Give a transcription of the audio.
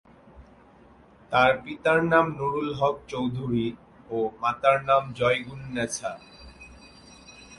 তার পিতার নাম নুরুল হক চৌধুরী ও মাতার নাম জয়গুন্নেছা।